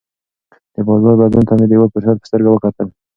د بازار بدلون ته مې د یوه فرصت په سترګه وکتل.